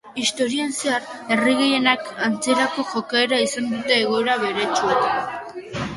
Historian zehar herri gehienek antzerako jokaera izan dute egoera beretsuetan.